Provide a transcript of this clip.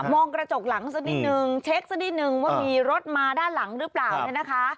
องกระจกหลังสักนิดนึงเช็คสักนิดนึงว่ามีรถมาด้านหลังหรือเปล่าเนี่ยนะคะ